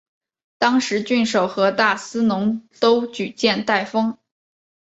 当时郡守和大司农都举荐戴封。